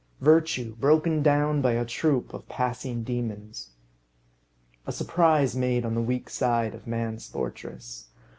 Virtue broken down by a troop of passing demons. A surprise made on the weak side of man's fortress.